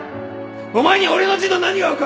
お前に俺の字の何が分かる！